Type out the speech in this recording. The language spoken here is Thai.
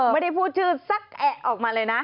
ไม่ได้พูดชื่อสักแอะออกมาเลยนะ